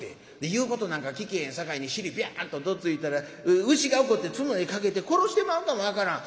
言うことなんか聞けへんさかいに尻ビャンとどついたら牛が怒って角にかけて殺してまうかも分からん。